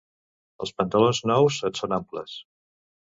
Els pantalons nous et són amples.